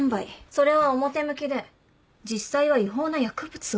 それは表向きで実際は違法な薬物を売っていた。